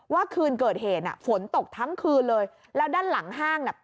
คืนเกิดเหตุน่ะฝนตกทั้งคืนเลยแล้วด้านหลังห้างน่ะ